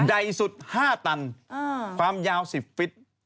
ใดสุด๕ตันฟาร์มยาว๑๐ฟิต